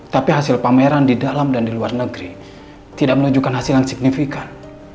tapi hasil pameran di dalam dan di luar negeri tidak menunjukkan hasil yang signifikan